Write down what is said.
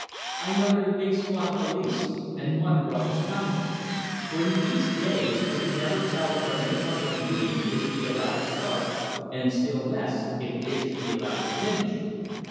I noted a big squad of police, and wondered what was coming; for in these days you can never tell whether any public meeting is to be allowed to start, and still less if it is to be allowed to finish.